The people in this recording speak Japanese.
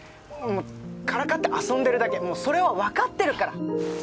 からかって遊んでるだけそれはわかってるから。